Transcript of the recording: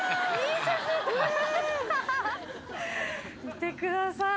見てください。